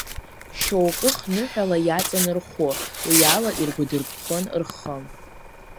Шьоукых ныҳәала иаҵан рхәы, уиала иргәадырԥхон рхы.